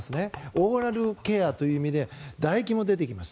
オーラルケアという意味でだ液も出てきます。